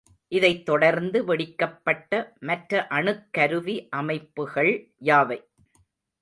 இதைத் தொடர்ந்து வெடிக்கப்பட்ட மற்ற அணுக்கருவி அமைப்புகள் யாவை?